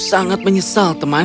saya meminta maaf tuhan